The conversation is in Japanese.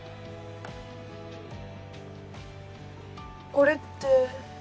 これって。